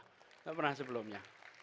tidak pernah sebelumnya